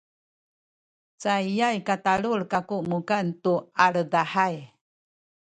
cayay katalul kaku mukan tu aledahay